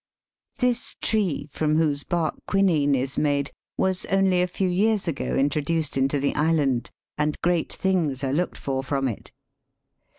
This tree, from whose bark quinine is made, was only a few years ago introduced into the island, and great things are looked for from it.